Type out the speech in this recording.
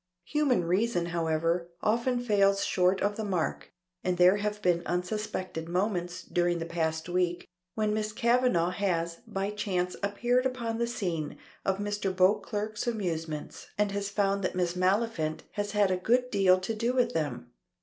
Human reason, however, often falls short of the mark, and there have been unsuspected moments during the past week when Miss Kavanagh has by chance appeared upon the scene of Mr. Beauclerk's amusements, and has found that Miss Maliphant has had a good deal to do with them.